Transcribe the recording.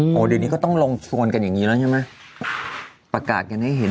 โอ้โหเดี๋ยวนี้ก็ต้องลงชวนกันอย่างนี้แล้วใช่ไหมประกาศกันให้เห็น